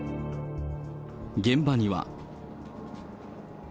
現場には。